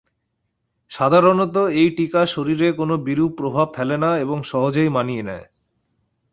সাধারণত এই টীকা শরীরে কোনো বিরূপ প্রভাব ফেলে না এবং সহজেই মানিয়ে নেয়।